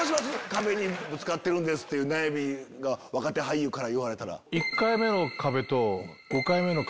壁にぶつかってるんですって悩み若手俳優から言われたら。